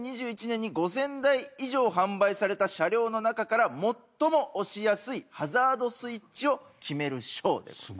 ２０２１年に５０００台以上販売された車両の中から最も押しやすいハザードスイッチを決める賞です。